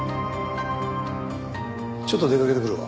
ちょっと出かけてくるわ。